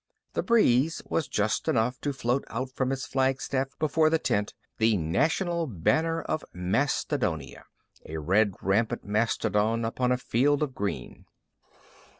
The breeze was just enough to float out from its flagstaff before the tent the national banner of Mastodonia a red rampant mastodon upon a field of green.